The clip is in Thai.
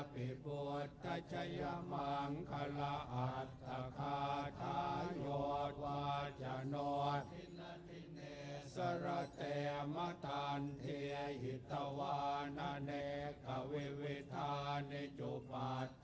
พิพุทธะเจยามังคลาฮัตทะคาทะโยทวาจโนทินัทิเนสระเตมทันที่หิตวานเนกวิวิทธานิจุปัตต์